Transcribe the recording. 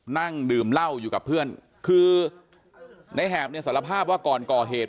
นั่งดื่มเหล้าอยู่กับเพื่อนคือในแหบเนี่ยสารภาพว่าก่อนก่อเหตุ